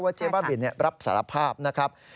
เจ๊บ้าบินรับสารภาพนะครับ